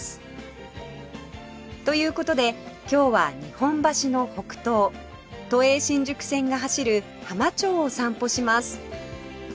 という事で今日は日本橋の北東都営新宿線が走る浜町を散歩します